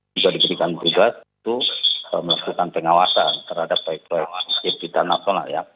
juga diberikan tugas untuk melakukan pengawasan terhadap baik baik